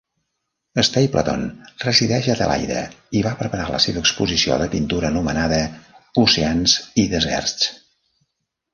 Stapleton resideix a Adelaide i va preparar la seva exposició de pintura, anomenada "Oceans i deserts".